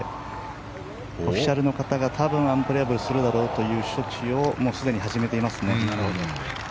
オフィシャルの方が多分アンプレヤブルするだろうという処置をもうすでに始めていますね。